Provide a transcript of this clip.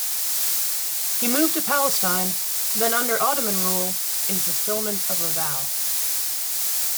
He moved to Palestine, then under Ottoman rule, in fulfilment of a vow.